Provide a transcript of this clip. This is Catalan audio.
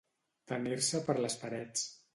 Tenir-se per les parets.